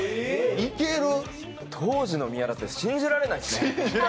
当時の宮舘だったら、信じられないですね。